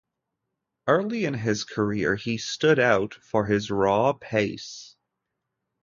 Early in his career he stood out for his raw pace.